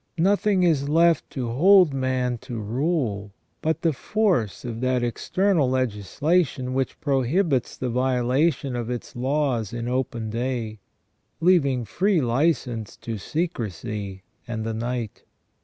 nothing is left to hold man to rule but the force of that external legislation which prohibits the violation of its laws in open day, leaving free licence to secrecy and the night.